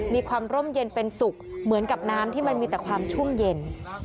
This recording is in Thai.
มีความร่มเย็นเป็นสุขเหมือนกับน้ำที่มันมีแต่ความช่วงเย็น